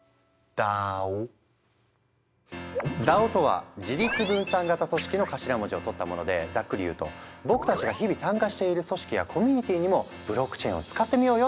ＤＡＯとは「自律分散型組織」の頭文字を取ったものでざっくり言うと「僕たちが日々参加している組織やコミュニティーにもブロックチェーンを使ってみようよ」っていう考え方。